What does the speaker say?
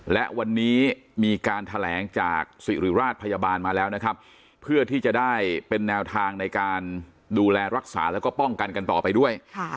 และวันนี้มีการแถลงจากสิริราชพยาบาลมาแล้วนะครับเพื่อที่จะได้เป็นแนวทางในการดูแลรักษาแล้วก็ป้องกันกันต่อไปด้วย